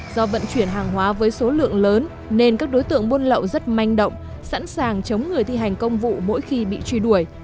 do vận chuyển hàng hóa với số lượng lớn nên các đối tượng buôn lậu rất manh động sẵn sàng chống người thi hành công vụ mỗi khi bị truy đuổi